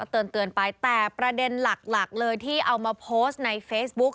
เตือนไปแต่ประเด็นหลักเลยที่เอามาโพสต์ในเฟซบุ๊ก